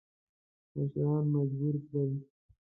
مشران مجبور کړل.